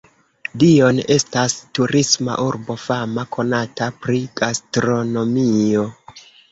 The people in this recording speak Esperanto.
Dijon estas turisma urbo fama konata pri gastronomio.